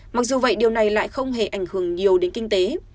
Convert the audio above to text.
mặc dù vậy điều này lại không hề ảnh hưởng nhiều đến kinh tế